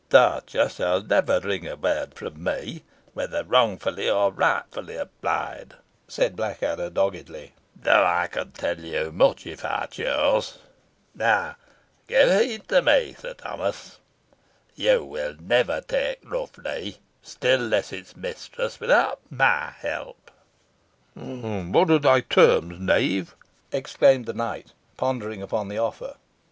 "Torture shall never wring a word from me, whether wrongfully or rightfully applied," said Blackadder, doggedly; "though I could tell much if I chose. Now give heed to me, Sir Thomas. You will never take Rough Lee, still less its mistress, without my help." "What are thy terms, knave?" exclaimed the knight, pondering upon the offer.